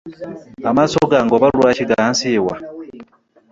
Amaaso gange oba lwaki gansiiwa?